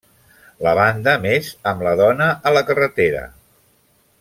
La banda més amb la dona a la carretera.